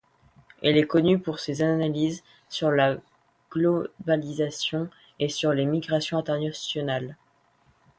Elle est connue pour ses analyses sur la globalisation et sur les migrations internationales.